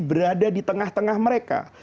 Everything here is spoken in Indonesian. berada di tengah tengah mereka